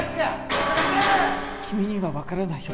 君には分からないよ